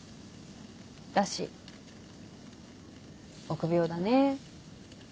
だし臆病だね。